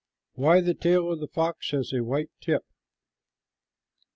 WHY THE TAIL OF THE FOX HAS A WHITE TIP.